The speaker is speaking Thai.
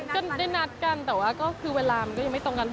ก็ได้นัดกันแต่ว่าก็คือเวลามันก็ยังไม่ตรงกัน